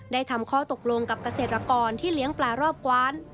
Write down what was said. ได้ทำข้อตกลงกับเกษตรกรที่เลี้ยงปลารอบกว้าน